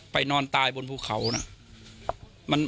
นอนตายบนภูเขานะ